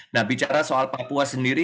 nah bicara soal papua sendiri